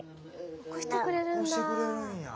起こしてくれるんや。